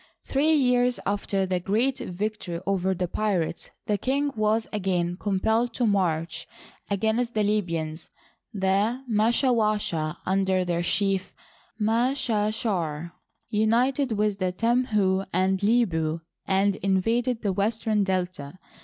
Three years after the great victory over the pirates, the king was again compelled to march against the Libyans. The Mashawasha, under their chief Mdshashar, united with the Temhu and Lebut and invaded the western Delta.